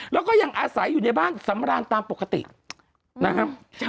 แล้วก็ยังอาศัยอยู่ในบ้านสำราญตามปกตินะครับ